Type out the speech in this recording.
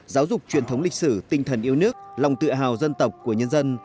giáo dục truyền thống lịch sử tinh thần yêu nước lòng tự hào dân tộc của nhân dân